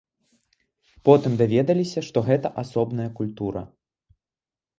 Потым даведаліся, што гэта асобная культура.